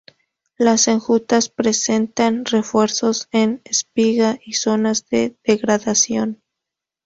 Las enjutas presentan refuerzos en espiga y zonas de degradación.